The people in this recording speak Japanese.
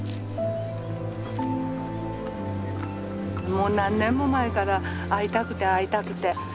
もう何年も前から会いたくて会いたくて。